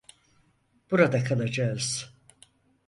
Burada kalacağız.